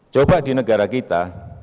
coba di negara kita